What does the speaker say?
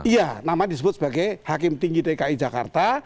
iya nama disebut sebagai hakim tinggi dki jakarta